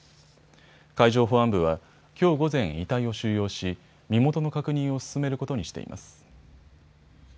海上保安部はきょう午前、遺体を収容し、身元の確認を進めることにしています。